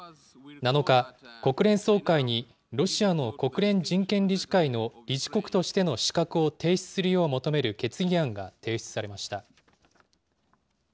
７日、国連総会に、ロシアの国連人権理事会の理事国としての資格を停止するよう求める決議案が提出されました。